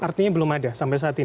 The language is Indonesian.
artinya belum ada sampai saat ini